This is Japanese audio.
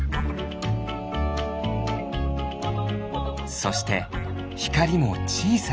そしてひかりもちいさなつぶ。